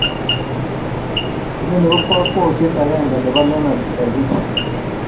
inoni ko kakwautiet agenge nepo Leonardo Da Vinci.